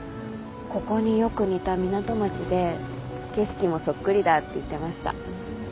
ここによく似た港町で景色もそっくりだって言ってました。